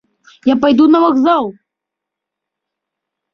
Я пайду на вакзал!